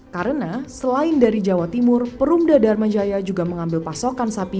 karena selain dari jawa timur perumda dharma jaya juga mengambil pasokan sapi